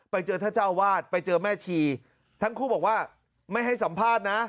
ไปเจอท่านเจ้าวาดไปเจอแม่ชีทั้งคู่บอกว่าไม่ให้สัมภาษณ์นะ